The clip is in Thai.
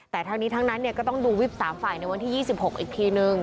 แต่ทั้งนี้ทั้งนั้นก็ต้องดูวิป๓ฝ่ายในวันที่๒๖อีกทีนึง